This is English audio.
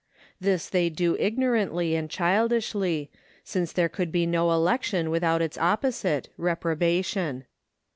This they do ignorantly and childishly, since there could be no election without its opposite, reprobation.